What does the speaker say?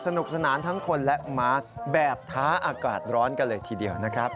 สนุกสนานทั้งคนและม้าแบบท้าอากาศร้อนกันเลยทีเดียวนะครับ